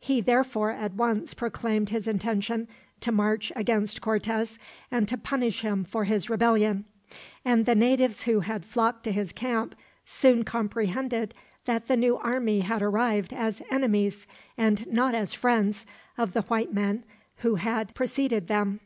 He therefore at once proclaimed his intention to march against Cortez, and to punish him for his rebellion; and the natives who had flocked to his camp soon comprehended that the new army had arrived as enemies, and not as friends, of the white men who had preceded them.